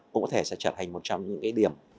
cũng có thể sẽ trở thành một trong những cái điểm